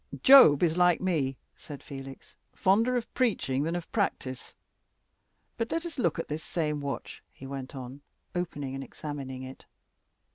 "Job is like me," said Felix, "fonder of preaching than of practice. But let us look at this same watch," he went on, opening and examining it.